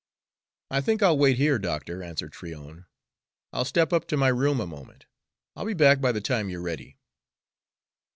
"I think I'll wait here, doctor," answered Tryon. "I'll step up to my room a moment. I'll be back by the time you're ready."